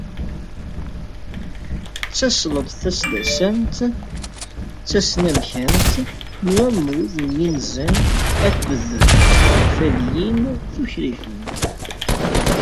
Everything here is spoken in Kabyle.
D tasleḍt taseddasant d tesnamkant n wammud n yinzan akked tenfaliyin tukrifin.